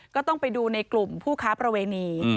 ก็ต้องไปดูในกลุ่มผู้ค้าประเวณี